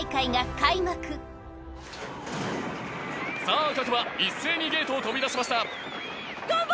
各馬一斉にゲートを飛び出しました。